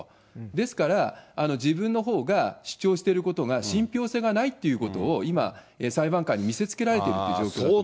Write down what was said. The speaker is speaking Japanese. ですから、自分のほうが主張していることが信ぴょう性がないということを、今、裁判官に見せつけられているという状況なんですね。